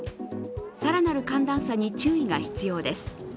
更なる寒暖差に注意が必要です。